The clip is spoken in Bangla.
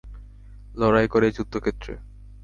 লড়াই করে, যুদ্ধক্ষেত্রে।